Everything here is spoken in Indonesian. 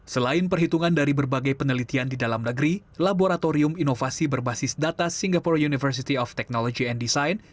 selain perhitungan dari berbagai penelitian di dalam negeri laboratorium inovasi berbasis data singaporo university of technology and design